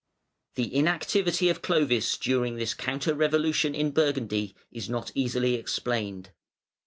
The inactivity of Clovis during this counter revolution in Burgundy is not easily explained.